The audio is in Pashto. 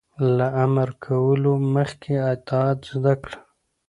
- له امر کولو مخکې اطاعت زده کړه.